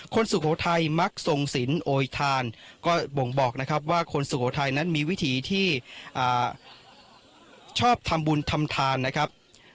สุโขทัยมักทรงสินโอยทานก็บ่งบอกนะครับว่าคนสุโขทัยนั้นมีวิถีที่ชอบทำบุญทำทานนะครับ